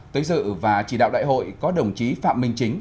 tới dự và chỉ đạo đại hội có đồng chí phạm minh chính